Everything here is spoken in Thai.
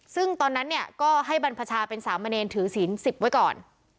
ซึ่งตอนนั้นเนี่ยก็ให้บรรพชาเป็นสามเณรถือศีล๑๐ไว้ก่อน